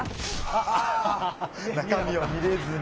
あ中身を見れずに。